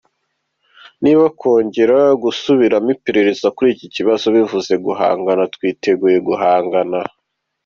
Niba kongera gusubiramo iperereza kuri iki kibazo bivuze guhangana, twiteguye guhangana.